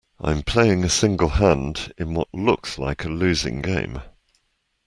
I'm playing a single hand in what looks like a losing game.